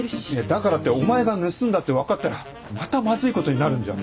だからってお前が盗んだって分かったらまたマズいことになるんじゃ。